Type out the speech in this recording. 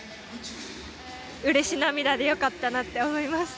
うれし涙で良かったなって思います。